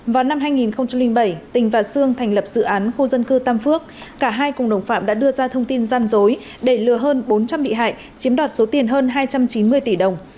vào năm hai nghìn bảy tình và sương thành lập dự án khu dân cư tam phước cả hai cùng đồng phạm đã đưa ra thông tin gian dối để lừa hơn bốn trăm linh bị hại chiếm đoạt số tiền hơn hai trăm chín mươi tỷ đồng